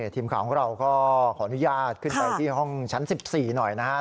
ทีมข่าวของเราก็ขออนุญาตขึ้นไปที่ห้องชั้น๑๔หน่อยนะครับ